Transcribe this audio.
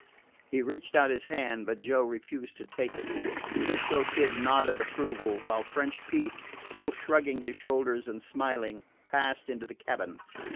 He reached out his hand, but Joe refused to take it. 'Frisco Kid nodded approval, while French Pete, still shrugging his shoulders and smiling, passed into the cabin.